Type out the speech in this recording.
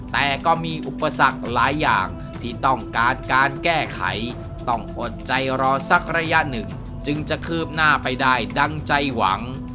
แต่ก็มีอุปสรรคหลายอย่างที่ต้องการการแก้ไขต้องอดใจรอสักระยะหนึ่งจึงจะคืบหน้าไปได้ดังใจหวัง